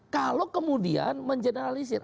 kalau kemudian menjeneralisir